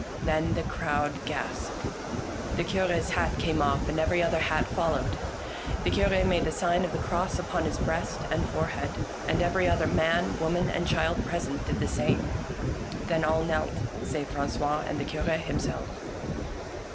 Then the crowd gasped. The Cure's hat came off, and every other hat followed. The Cure made the sign of the cross upon his breast and fore head, and every other man, woman, and child present did the same. Then all knelt, save Franqois and the Cure himself.